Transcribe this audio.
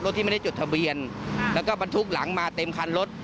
ที่ไม่ได้จดทะเบียนแล้วก็บรรทุกหลังมาเต็มคันรถ